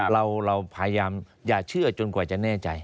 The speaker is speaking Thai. เราพยายามอย่าเชื่อจนกว่าจะแน่ใจ